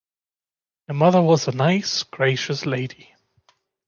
The mother was a nice, gracious lady.